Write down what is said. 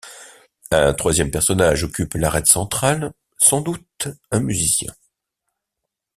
Un troisième personnage occupe l'arête centrale, sans doute un musicien.